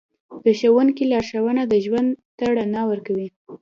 د ښوونکي لارښوونه ژوند ته رڼا ورکوي.